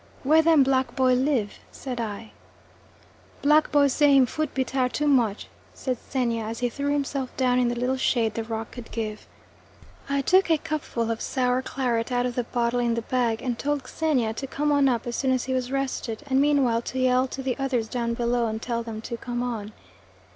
"Where them Black boy live?" said I. "Black boy say him foot be tire too much," said Xenia, as he threw himself down in the little shade the rock could give. I took a cupful of sour claret out of the bottle in the bag, and told Xenia to come on up as soon as he was rested, and meanwhile to yell to the others down below and tell them to come on.